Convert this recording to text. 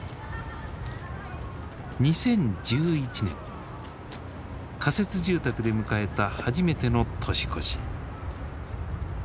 ２０１１年仮設住宅で迎えた初めての年越し。